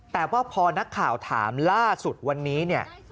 แต่ว่าพอนักข่าวถามล่าสุดวันนี้เนี่ย